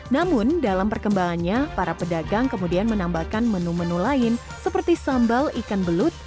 namun dalam perkembangannya para pedagang kemudian menambahkan menu menu lain seperti sambal ikan belut